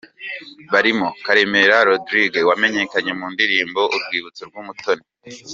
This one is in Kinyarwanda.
barimo: Karemera Rodrigue wamenyekanye mu ndirimbo: Urwibutso rwumutoni,.